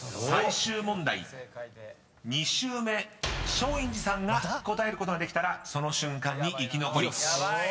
［最終問題２周目松陰寺さんが答えることができたらその瞬間に生き残り］